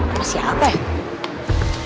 sama siapa ya